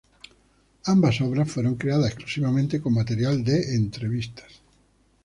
Ambas obras fueron creadas exclusivamente con material de entrevistas.